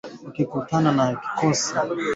wanyama waliokomaa